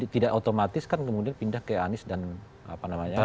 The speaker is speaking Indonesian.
tidak otomatis kan kemudian pindah ke anies dan apa namanya